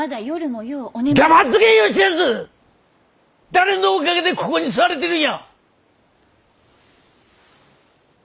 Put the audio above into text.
誰のおかげでここに座れてるんや！